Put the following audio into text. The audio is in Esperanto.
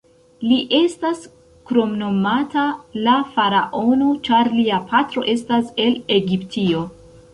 Li estas kromnomata "la faraono", ĉar lia patro estas el Egiptio.